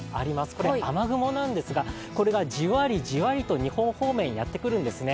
これ、雨雲なんですが、これがじわりじわり日本方面にやってくるんですね。